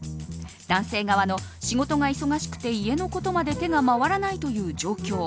男性側の、仕事が忙しくて家のことまで手が回らないという状況。